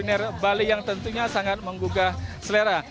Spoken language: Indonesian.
dan menikmati perkembangan api di bali yang tentunya sangat menggugah selera